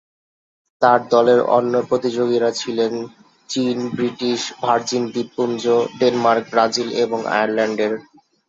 তার দলের অন্য প্রতিযোগীরা ছিলেন চীন, ব্রিটিশ ভার্জিন দ্বীপপুঞ্জ, ডেনমার্ক, ব্রাজিল এবং আয়ারল্যান্ডের।